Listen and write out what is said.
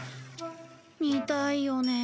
見たいよね。